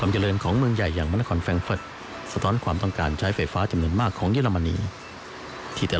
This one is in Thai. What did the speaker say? ที่ประมาณ๑๘๔๐๐๐เมกาวัตต์